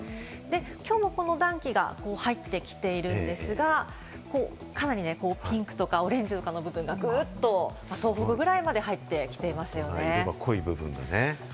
今日もこの暖気が入ってきているんですが、かなりピンクとかオレンジの部分がグッと、東北くらいまで入ってきていますよね。